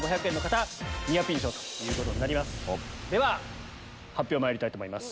では発表まいりたいと思います。